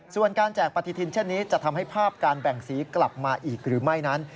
ส่วนการแจกปฏิทินเช่นนี้จะทำให้ภาพการแบ่งสีกลับมาอีกหรือไม่นั้น